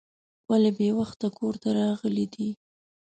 ولې بې وخته کور ته راغلی دی.